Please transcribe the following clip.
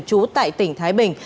chú tại tỉnh thái bình